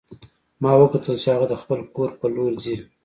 ما وکتل چې هغه د خپل کور په لور ځي